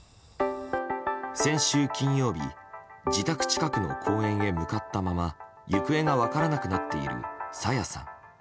先週金曜日、自宅近くの公園へ向かったまま行方が分からなくなっている朝芽さん。